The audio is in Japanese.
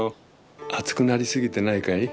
熱くなりすぎてないかい？